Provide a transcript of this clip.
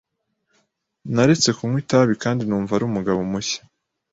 Naretse kunywa itabi kandi numva ari umugabo mushya.